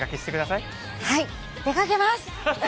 はい、出かけます。